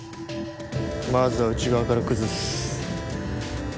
まずは内側から崩す。